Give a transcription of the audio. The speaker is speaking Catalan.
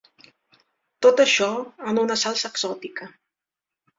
Tot això en una salsa exòtica.